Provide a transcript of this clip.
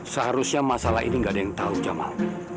seharusnya masalah ini nggak ada yang tahu jamal